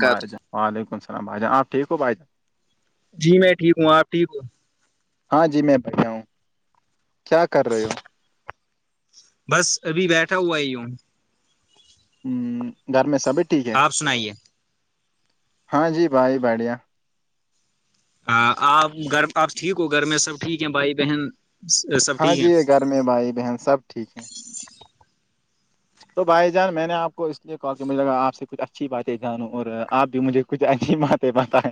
کاتو بھائی جان وعلیکم السلام بھائی جان آپ ٹھیک ہو بھائی جان جی میں ٹھیک ہوں آپ ٹھیک ہوں ہاں جی میں بٹا ہوں کیا کر رہے ہو بس ابھی بیٹھا ہوا ہی ہیوں ہ گھر میں سبھی ٹھیک ہے آپ سنائیے ہاں جی بھائی بڑیا ہ آپ گھر آپ ٹھیک ہو گھر میں سب ٹھیک ہیں بھائی بہن سب ہاں ٹھیک ہے جی یہ گھر میں بھائی بہن سب ٹھیک ہے تو بھائی جان میں نے آپ کو اس لیے کال کیا مجھے لگا آپ سے کچھ اچھی باتیں جانوں اور آپ بھی مجھے کچھ ای نہیں ماتے مات ہے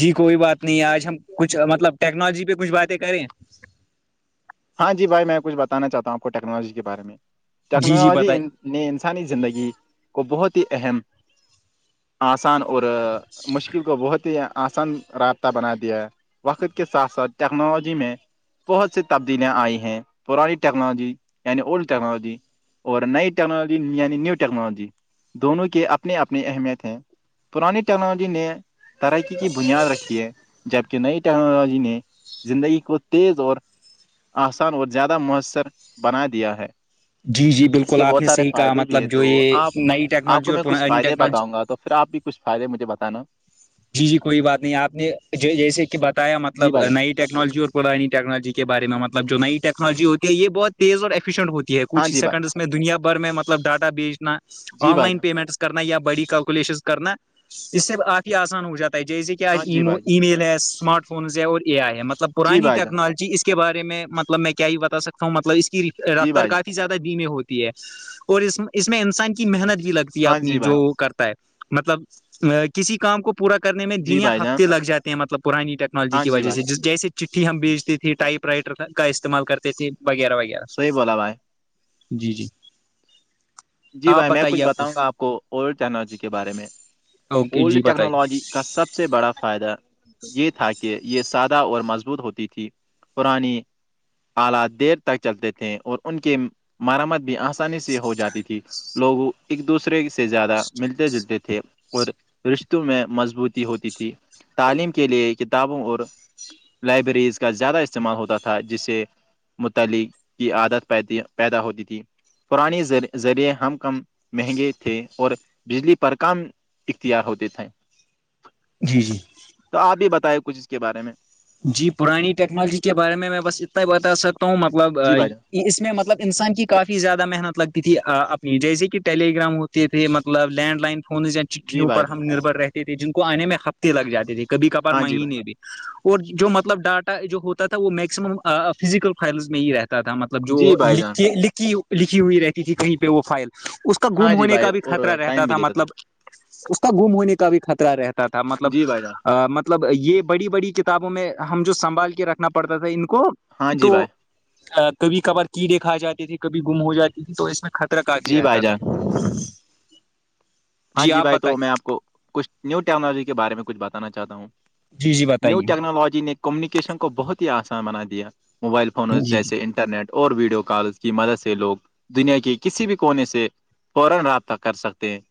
جی کوئی بات نہیں آج ہم کچھ مطلب ٹیکنالوجی پہ کچھ باتیں کریں ہاں جی بھائی میں کچ بتانا چاہتا ہوں آپ کو ٹیکنالوجی کے بارے جی جی ٹیکنالوجی بتائی نے انسانی زندگی کو بہت ہی اہم آسان اور مشکل کو بہت ہی آسان رابطہ بنا دیا ہے وقت کے ساتھ ساتھ ٹیکنالوجی میں بہت سے تبدیلیاں آئی ہیں پرانی ٹیکنالوجی یعنی اولڈ ٹیکنالوجی اور نئی ٹیکنالوجی یعنی نیو ٹیکنالوجی دونوں کے اپنی اپنی اہمیت ہیں پرانی ٹیکنالجی نے ترقی کی بنیاد رکھی ہے جبکہ نئی ٹیکنالوجی نے زندگی کو تیز اور آسان اور زیادہ مؤثر بنا دیا ہے جی جی اس بالکل کے آپ بہت نے سارے صحیح کہا فائدے بھی ہیں مطلب جو تو یہ آپ نئی آپ ٹیکنالوجی کو اور میں کچھ پرانی فائدے ٹیکنالوجی بتاؤں گا تو پھر آپ بھی کچھ فائدے مجھے بتانا جی جی کوئی بات نہیں آپ نے جیسے کہ بتایا جی مطلب بھائی جان نائٹ یکنالجی اور پرانی ٹیکنالوجی کےارے میں مطلب جو نئی ٹیکنالوجی ہوتی یہ بہت تیز اور ایفیشنٹ ہوتی ہے ہاں کچھ ہی جی بھائی سیکنڈس میں دنیا بھر میں مطلب ڈاٹا بیجنا جی آن بھائی لائن جان پیمنٹس کرنا یا بڑی کیلکولیشن کرنا اس سے کافی آسان ہو جاتا ہے جیسے کہ ہاں آج جی بھائی جان ای میل ہے اسمارٹ فونز ہے اور اے آئی ہے مطلب جی پرانی بھائی جان ٹیکنالوجی اس کے بارے میں مطلب میں کیا یہ بتا سکتا ہوں مطلب اس کی جی رفتار بھائی جان کافی زیادہ بیمے ہوتی ہے اور اس اس میں انسان کی محنت بھی لگتی ہے ہاں جی اپنی بھائی جو کرتا ہے مطلب کسی کام کو پورا کرنے میں جی دن یا بھائی جان ہفتے لگ جاتے ہیں مطلب پرانی ٹیکنالوجی ہاں کی جی وجہ بھائی سے جیسے چٹھی ہم بیچتے تھی ٹائپ رائٹر کا استعمال کرتے تھے وغیرہ وغیرہ صحیح بولا بھائی جی جی جی بھائی میں کچھ بتاؤں گا آپ کو اولڈ ٹیکنالوجی کے بارے میں اوکے جی اولڈ بتائیے ٹیکنالوجی کا سب سے بڑا فائدہ یہ تھا کہ یہ سادہ اور مضبوط ہوتی تھی پرانی آلات دیر تک چلتے تھے اور ان کی مرمت بھی آسانی سے ہو جاتی تھی لوگ ایک دوسرے سے زیادہ ملتے جلتے تھے اور رشتوں میں مضبوطی ہوتی تھی تعلیم کے لیے کتابوں اور لائبریریز کا زیادہ استعمال ہوتا تھا جس سے متعلق کی عادت پیدا ہوتی تھی پرانی ذریعے ہم کم مہنگے تھے اور بجلی پر کام اختیار ہوتے تھے [inaudible] جی جی تو آپ بھی بتائی کچھ اس کے بارے میں جی پرانی ٹیکنالوجی کے بارے میں بس اتنا بتا سکتا ہوں مطلب جی بھائی جان اس میں مطلب انسان کی کافی زیادہ محنت لگتی تھی اپنی جیسے کہ ٹیلی گگرام ہو پھر مطلب لینڈ لائن فون جی چٹھیوں بھائی پر جان ہم نربھر رہتے تھے جن کو آنے میں ہفتے لگ جاتے تھے کبھی کبھار ہاں جی بھائی مہینے بھی اور جو مطلب ڈاٹا جو ہوتا تھا وہ میکسمم فزیکل فائلز میں ہی رہتا تھاب مطلب جو جی بھائی جان لکھی لکھی ہوئی رہتی کہ کہیں پہ وہ فائل اس کا ہاں گم جی ہونے بھائی کا بھی اور خطرہ ٹائم رہتا بھی تھا لیتا مطلب اس کا گم ہونے کا بھی خطرہ رہتا تھا مطلب جی بھائی جان مطلب یہ بڑی بڑی کتابوں میں ہم جو سنبھال کے رکھنا پڑتا تھا ان کو ہاں جی تو بھائی کبھی کبار کی دےھا جاتے تھے کبھی گم ہو جاتی تھی تو اس میں خر ر کافی جی بھائی رہتا تھا جان ہاں جی آپ بھائی تو میں بتائیے آپ کو کچھ نیو ٹیکنالوجی کے بارے میں کچھ بتانا چاہتا ہوں جی جی نیو بتائیے ٹیکنالوجی نے کمیونیکیشن کو بہت ہی آسان بنا دیا موبائل فونوں جی جی جیے انٹرنیٹ اور ویڈیو کال کی مدد سے لوگ دنیا کے کسی بھی کونے سے [inaudible]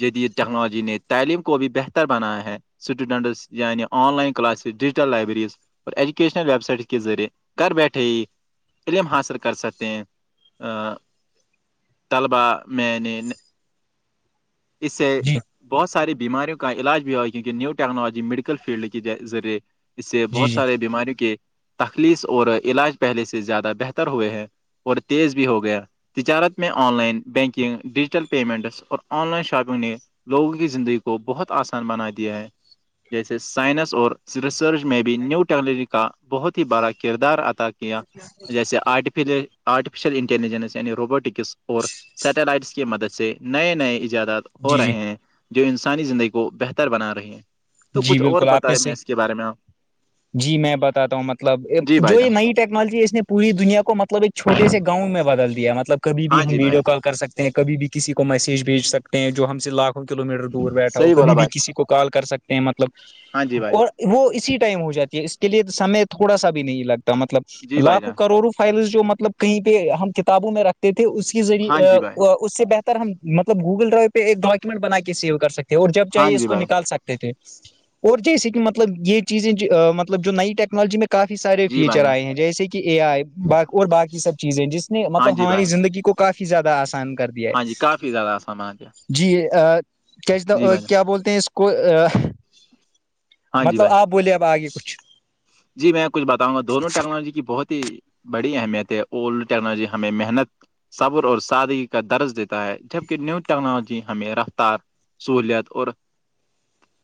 جدید ٹیکنالوجی نے تعلیم کو بھی بہتر بنایا ہے سٹوڈنٹسیعنی online classes digital libraries اور ایجوکیشنل ویب سائٹ کے ذریعے کرھر بیٹھے ہی علم حاصل کر سکتے ہیں طلبا میں نے اس سے جی بہت ساری بیماریوں کو کا علاج بھی ہوا کیونکہ نی ٹیکنالوجیڈیکل فلڈ کے ذریعے اس سے جی بہت جی سارے بیماریوں کے تخلیص اور علاج پہلے سے زیادہ بہتر ہوئے ہیں اور تیز بھی ہو گیا تجارت میں online banking digital payments اور آن لائن شاپنگ نے لوگوں کی زندگی کو بہت آسان بنا دیا ہے جیسے سائنس اور ریسرچ میں بھی نیو ٹیکنالوجی کا بہت ہی بڑا کردار ادا یا جیسے آرف آرٹیفیشیل انٹیلیجنس یعنی روبوٹک اور سیٹلائٹس کی مدد سے نئے نئے ایجادات ہو جی رہے جی ہیں جو انسانی زندگی کو بہتر بنا رہی ہیں تو جی کچھ اور بالکل آپنے بتائے میں سے اس کے بارے میں آپ جی میں بتاتا ہوں مطلب جی جو بھائی یہ جان نائٹ ٹیکنالوجی اس نے پوری دنیا کو مطلب ایک چوٹے سے گاؤں میں بدل دیاطلب کب بھی ہاں ہم جی بھائی ویڈیو کال کر سکتے ہیں کبھی بھی کسی کو میسج بھیج سکتے ہیں جو ہم سے لاکھ کلو میٹر دور بیٹھا ہو صحیح بولا کبھی بھی بھائی کسی کو کال کر سکتے ہیں مطلب ہاں جی بھائی اور وہ اسی ٹائم ہو جاتی ہے اس کے لیے سمے تھوڑا سا بھی نہیں لگتا مطلب جی بھائی لاکھوں جان کروڑوں فائلز جو مطلب کہیں پہ ہم کتابوں میں رکھتے تھے اس کے ہاں ذریعے جی بھائی اس سے بہتر ہم مطب گوگل ڈرائیو پہ ایک ڈاکیومنٹ بنا کے سیو کر سکتے ہیں اور جب ہاں چاہے اس جی کو بھائی نکال سکتے تھے اور جیسے کہ مطلب یہ چیزیں مطلب جو نئی ٹیکنالوجی میں کافی سارے جی بھائی فیچر جان آئے ہیں جیسے کہ اے آئی اور باقی سب چیزیں جس ہاں مطلب جی ہماری بھائی زندگی کو کافی زیادہ آسان کرتے ہاں ج کافی زیادہ سمانج ہے جی کیا کیا بولتے ہیں اس کو ہاں جی مطلب بھائی آپ بولے اب آگے کچھ جی میں کچھ بتاؤںا دونوں ٹکا ٹیکنالوجی کی بہت ہی بڑی اہمیت ہے اولڈ ٹیکنالوجی ہمیں محنت صبر اور سادگی کا درج دیتا ہے جبکہ نیو ٹیکنالوجی ہمیں رفتار سہولیات اور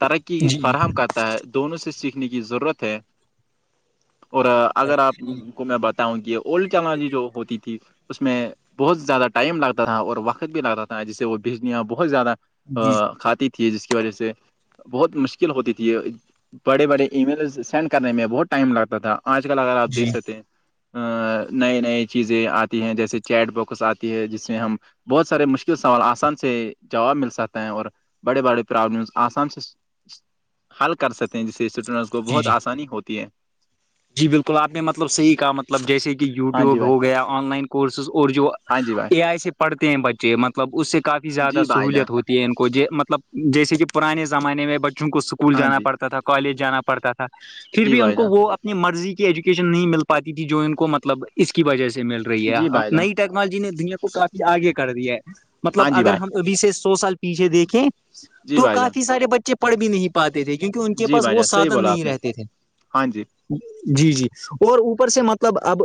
ترقی جی فراہم کرتا ہے دونوں سے سیکھنے کی ضرورت ہے اور جی اگر آپ کو میں بتاؤں کہ اولڈ چالجی جو ہوتی تھی اس میں بہت زیادہ ٹائم لگتا تھا اور وقت بھی لگتا تھا جسے وہ بجلیاں بہت زیادہ جی ا کھات جس کی وجہ سے بہت مشکل ہوتی تھی بڑے بڑے ای میل سینڈ کرنے میں بہت ٹائم لگتا تھا آج کل اگر آپ دیک سکتے ہیں ا نئے نئے چیزیں آتی ہیں جیسے چیٹ بکس آتی ہے جس سے ہم بہت سارے مشکل سوال آسان سے جواب مل سکتا ہے اور بڑے بڑے پرابلمس آسان سے حل کر سکتے ہیں جسے اسٹوڈینٹس کو جی بہت جی آسانی ہوتی ہے جی بالکل آپ نے مطلب صحیح کہا مطلب جیسے کہ ہاں جی یوٹیوب بھائی ہو گیا آن لائن کورسز اور جو ہاں جی اے بھائی آئی سے پڑھتے ہیں بچے مطلب اس سے کافی زیادہ جی بھائی جان سہوولت ہوتی کو مطلب جیسے کہ پرانے زمانے میں بچوں کو اسکول ہاں جانا جی پڑتا تھا کالج جانا پڑتا تھا پھر جی بھی ان بھائی کو جان وہ مرضی کی ایجوکیشن نہیں مل پاتی تھی جو ان کو مطلب اس کی وجہ سے مل رہی ہے جی بھائی جان نئی تک تنال جی نے دنیا کو کافی آگے کر دیا ہے مطلب ہاں جی اگر بھائی ہم ابھی سے سو سال پیچھے دیکھیں جی تو بھائی جان کافی سارے بچے پڑھ بھی نہیں پاتے تھے کیونکہ ان کے جی پاس بھائی وہ جان صحیح سادھن بولا آپ نہیں نے رہتے تھے ہاں جی جی جی اور اوپر سے مطلب اب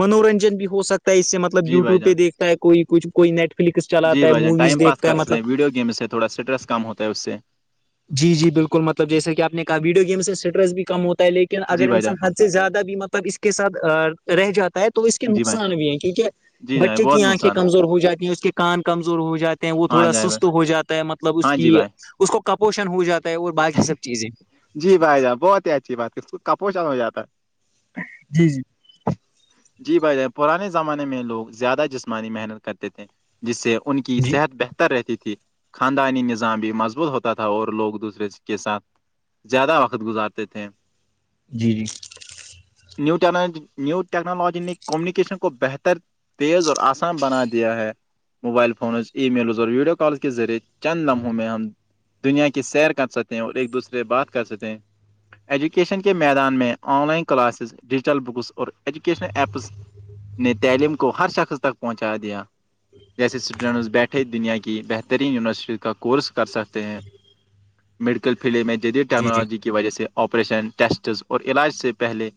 منورنجن بھی ہو سکتا توی اس سے ملب جی بھائی یٹیو پہ جان دیککھ کوئی کچھ کوئی نیٹ فلکس جی چلاتا ہے بھائی جان موویز ٹائم پاس دیکھتا ہے کر سکتے مطلب ہیں ویڈیو گیم سے تھوڑا اسٹریس کم ہوتا ہے اس سے جی جی بالکل مطلب جیسے کہ آپ نےا ویڈیو گیم سے اسٹریس بھی کم ہوتا ہے لیکن جی اگر بھائی انسان جان حد سے زیادہ بی مطلب اس کے ساتھ رہ جاتا ہے تو اس کے جی بھائی نقصان بھی ہیں کیونکہ جی جائیں بچے بہت کی آنکھیں نقصان ہے کمزور ہو جاتی ہیں اس کے کان کمزور ہو جاتے ہیں وہ ہاں تھوڑا جائیں بھائی سست ہو جاتا ہے مطلب اس ہاں کی جی بھائی اس کو کپوشن ہو جاتا ہے اور باقی سب چیزیں جی بھائی جان بہت ہی اچھی بات اس کاپوشن ہو جاتا ہے جی جی جی بھائی جان پرانے زمانے میں لوگ زیادہ جسمانی محنت کرتے تھے جس سے ان کی صحت بہتر رہتی تھی خاندانی نظام بھی مضبوط ہوتا تھا اور لوگ دوسرے سے کے ساتھ زیادہ وقت گزارتے تھے جی جی نیو ٹنو نیو ٹیکنالوجی نے کمیونیکیشن کو بہتر تیز اور آسان بنا دیا ہے موبائل فونز ای میلز اور ویڈیو کالز کے ذریعے چند لمحوں میں ہم دنیا کی سیر کر سکتے ہیں اور ایک دوسرے سے بات کر سکتے ہیں ایجوکیشن کے میدان میں online classes digital books اور ایجوکیشنل ایپس نے تعلیم کو ہر شخص تک پہنچا دیا جیسے اسٹوڈینٹس بیٹھے دنیا کی بہترین یونیورسٹی کا کورس کر سکتے ہیں میڈیکل فیلڈ میں جدید جی جی ٹیکنالوجی کی وجہ سے آپریشن ٹیسٹ اور علاج سے پہلے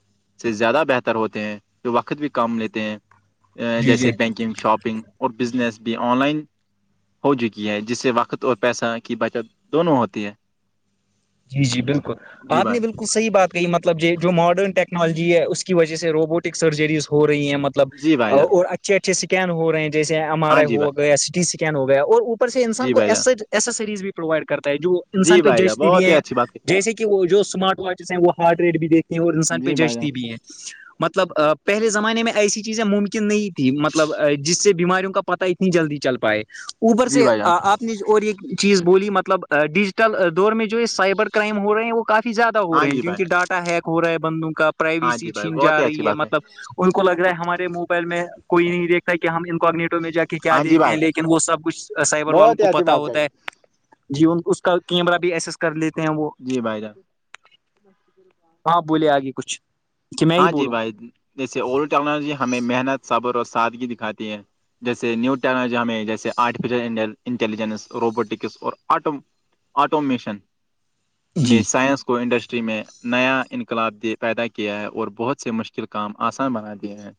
سے زیادہ بہتر ہوتے ہیں جو وقت بھی کام لیتے ہیں جی جی جیسے بینکنگ شاپنگ اور بزنس بھی آن لائن ہو چکی ہے جس سے وقت اور پیسہ کی بچت دونوں ہوتی ہے جی جی بالکل جی آپ نے بھائی بالکل صحیح بات مطلب جو ماڈرن ٹیکنالوجی ہے اس کی وجہ سے روبوٹک سرجریز ہو رہی ہیں مطلب جی بھائی مطلب جان اور اچھے اچھے سکین ہو رہے ہیں جیسے ایم آر ہاں آئی جی ہو بھائی گیا سٹی اسکین ہو گیا اور سے انسان جی کو بھائی جان ایسسریز بھی پرووائڈ کرتا ہے جو جی انسان پہ بھائی جان جش بھی بہت ہی ہیں اچھی بات ہے۔ جیسے کہ وہ جو اسمارٹ واچز ہیں وہ ہارڈ ریڈ بھی دیتے ہیں اور انسان پہ جی بھائی جچتی بھی ہیں [inaudible] مطلب پہلے زمانے میں ایسی چیزیں ممکن نہیں تھھی مطلب جس سے بیماریوں کا پتا اتنی جلدی چل پائے اوبر جی سے بھائی جان آپ نے اور یہ چیز بولی مطلب ڈیجیٹل دور میں جو سائبر کرائم ہو رہے ہیں وہ کافی زیادہ ہو ہاں رہے ہیں جی بھائی کیونہ ڈاٹا ہیک ہو رہا ہے بندوں کا ہاں پرائیویسی جی بھائی چھین بہت جا ہی اچھی رہی ہے بات مطلب ان کو لگ رہا ہے ہمارے موبائل میں کوئی نہیں دیکھتا ہے کہ ہم کگنیٹو میں جا کے کیا ہاں جی دیکھتے ہیں بھائی لیکن وہ سب کچھ سائبر والوں بہت ہی کو اچھی پتا بات ہوتا ہے جی ان اس کا کیمرہ بھی ایسس کر لیتے ہیں وہ جی بھائی جان [unintelligible] ہاں بولے آگے کچھ کہ میں ہی ہاں جی بولوں بھائی جیسے اولڈ ٹیکنالوجی ہمیں محنت صبر اور سادگی دکھاتی ہے جیسے نیو ٹیکنالوجی ہمیں جیسے آرٹیفیشیل انٹیلیجنس روبوٹکس اور آٹو آٹومیشن جی نے سائنس کو انڈسٹری میں نیا انقلاب دے پیدا کیا ہے اور بہت سے مشکل کام آسان بنا دیے ہیں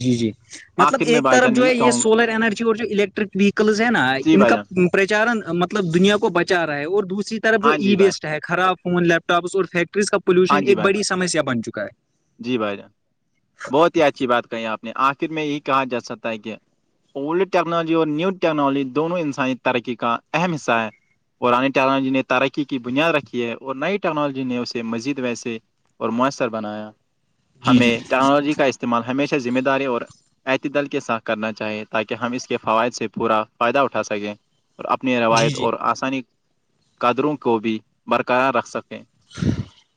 جی جی مطلب آخر میں ایک بھائی طرف جان جو ہے یہ کہوں گا سولر انینرجی اور جو الیکٹرک ویکلز ہے نا جی ان بھائی کا جان پرچارن مطلب دنیا کو بچا رہا ہے اور دوسری طرف جو ہاں ای جی بھائی بیسٹ ہے خراب فون لیپ ٹاپس اور فیکٹریز کا ہاں پولوشن جی ایک بھائی بڑی سسیا بن چکا ہے جی بھائی جان بہت ہی اچھی بات کہی آپ نے آخر میں یہ کہا جا سکتا ہے کہ اولڈ ٹیکنالوجی اور نیو ٹیکنالوجی دونوں انسانی ترقی کا اہم حصہ ہے پرانی ٹیکنالوجی نے ترقی کی بنیاد رکھی ہے اور نئی ٹیکنالوجی نے اسے مزید ویسے اور میسر بنایا جی جی ہمیں ٹیکنالوجی کا استعمال ہمیشہ ذمہ داری اور ععت دل کے ساتھ کرنا چاہے تاکہ ہم اس کے فوائد سے پورا فائدہ اٹھا سکیں اور اپنی جی روایت جی اور آسانی قدروں کو بھی برقرار رکھ سکتے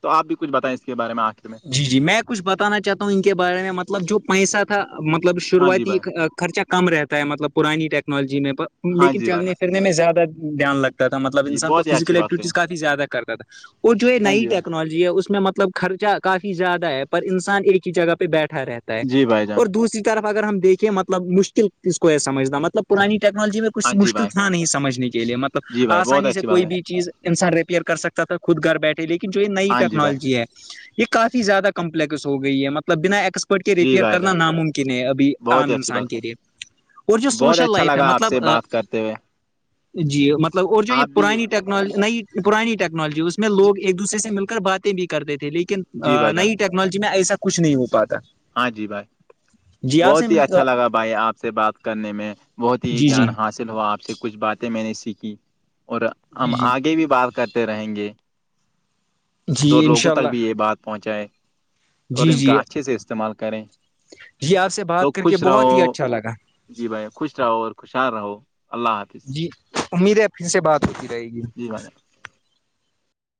تو آپ بھی کچھ بتائیں اس کے بارے میں آخر میں جی جی میں کچھ بتانا چاہتا ہوں ان کے بارے میں مطلب جو پیسہ تھا مطلب ہاں جی شروعاتی بھائی خرچہ کم رہتا ہے مطلب پرانی ٹیکنالوجی میں ہاں لیکن جی بھائی چلنے پھرنے میں زیادہ دھیان لگتا ہے تھا مطب جی انان کو بہت ہی فزیکل اچھی بات کہیں ایکٹیوٹیز کا زیادہ کرتا تھا اور جو یہ ہاں نئی جی بھائی ٹیکنالوجی ہے اس میں مطلب خرچہ کافی زیادہ ہے پر انسان ایک ہی جگہ پہ بیٹھا رہتا ہے جی بھائی جان اور دوسری طرف اگر ہم دیکیں مطلب مشکل اسس کو ہے سمجھنا مطلب پرانی ٹیکنالوجی میں کچھ ہاں جی مشکل بھائی تھا نہیں سمجھنے کے لیے جی مطلب بھائی بہت آسانی سے اچھی بات کوئی ہے بھی چیز انسان ریپیئر کر سکتا تھا خود گھر بیٹھے لیکن جو یہ نئی ہاں جی بھائی ٹیکنالوجی ہے یہ کافی زیادہ کمپلیکس ہو گئی ہے مطلب بنا ایکس پڑ کے جی ریپیئر بھائی کرنا جان ناممکن ہے ابھی بہت عام ہی اچھی انسان بات کے ہے لیے اور جو بہت سوشل اچھا لائف ہے لگا آپ مطلب سے بات کرتے ہوئے جی مطلب اور جو یہ آپ بھی پرانی ٹیکنالوجی نئی پرانی ٹیکنالوجی اس میں جی لوگ ایک دوسر سے مل کر باتیں بھی کرتے تھے لیکن جی بھائی جان نئی ٹیکنالوجی میں ایسا کچھ نہیں ہو پاتا ہاں جی بھائی جی آپ سے بہت ہی مل اچھا کر لگا بھائی آپ سے بات کرنے میں بہت ہی جی جی جیان حاصل چ ہو آپ سے کچھ باتیں میں نے سیکھی اور ہم جی جی آگے بھی بات کرتے رہیں گے تو جی انشاء لوگوں تک بھی اللہ یہ بات پہنچائے اور جی ان جی کا اچھے سے استعمال کریں جی آپ سے تو بات کر کے خوش بہت ہی رہو اچھا لگا جی بھائی خوش رہو اور خوشحال رہو اللہ حافظ جی امید ہے پھر سے بات ہوتی رہے گی جی بھائی